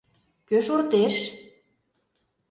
Кӧ шортеш?..